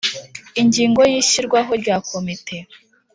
Ingingo ya Ishyirwaho rya komite